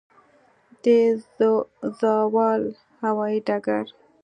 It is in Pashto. د زاول هوايي ډګر